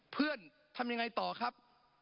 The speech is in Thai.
เพื่อนทำยังไงต่อครับ